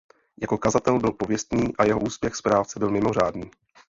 Jako kazatel byl pověstný a jeho úspěch správce byl mimořádný.